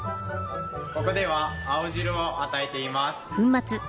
ここでは青汁を与えています。